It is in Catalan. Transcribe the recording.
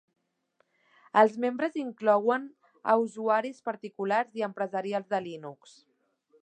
Els membres inclouen a usuaris particulars i empresarials de Linux.